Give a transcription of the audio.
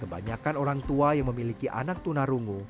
kebanyakan orang tua yang memiliki anak tunarungu